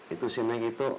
itu sini gitu